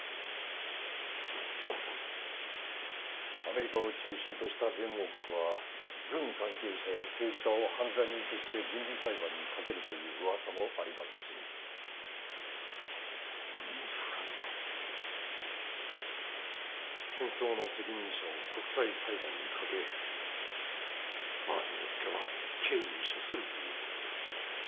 属国アメリカを中心とした連合国は軍関係者や政治家を犯罪人として軍事裁判にかけるという噂もありますし軍事裁判戦争の責任者を国際裁判にかけ場合によっては刑に処するということです